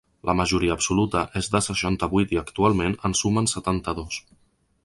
La majoria absoluta és de seixanta-vuit i actualment en sumen setanta-dos.